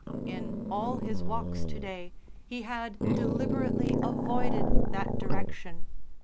In all his walks to day he had deliberately avoided that direction.